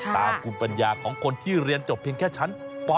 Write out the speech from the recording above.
ตามภูมิปัญญาของคนที่เรียนจบเพียงแค่ชั้นป๔